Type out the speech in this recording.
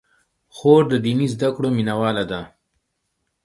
خور د دیني زدکړو مینه واله ده.